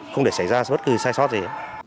không để xảy ra bất cứ sai sót gì